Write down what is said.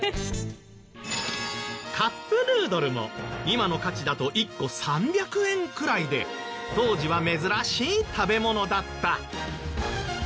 カップヌードルも今の価値だと１個３００円くらいで当時は珍しい食べ物だった。